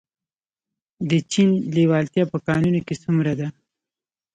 د چین لیوالتیا په کانونو کې څومره ده؟